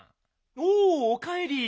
おおかえり。